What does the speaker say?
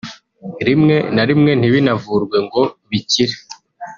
…) rimwe na rimwe ntibinavurwe ngo bikire